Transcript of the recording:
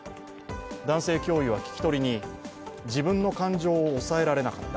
男性教諭は聞き取りに、自分の感情を抑えられなかった。